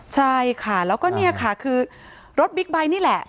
ใช่ค่ะแล้วก็เนี่ยค่ะคือรถบิ๊กไบท์นี่แหละ